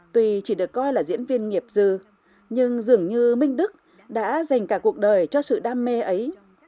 tuy chỉ được coi là diễn viên nghiệp dư nhưng dường như minh đức đã dành cả cuộc đời cho sự đam mê ấy